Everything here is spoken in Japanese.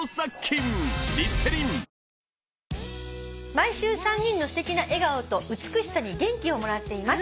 「毎週３人のすてきな笑顔と美しさに元気をもらっています」